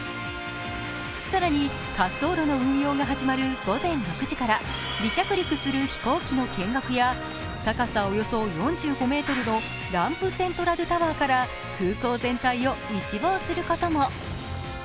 更に滑走路の運用が始まる午前６時から離着陸する飛行機の見学や高さおよそ４５ｍのランプセントラルタワーから空港全体を一望することも。